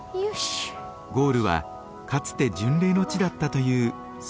ゴールはかつて巡礼の地だったという神聖な丘の展望台。